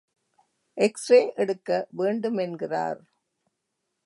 X ray எடுக்க வேண்டுமென்கிறார்.